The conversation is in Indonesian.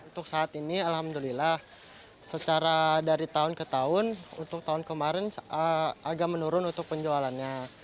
untuk saat ini alhamdulillah secara dari tahun ke tahun untuk tahun kemarin agak menurun untuk penjualannya